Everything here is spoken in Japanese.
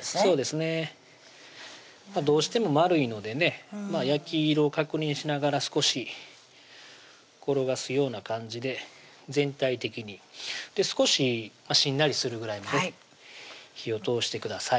そうですねどうしても丸いのでね焼き色を確認しながら少し転がすような感じで全体的に少ししんなりするぐらいまで火を通してください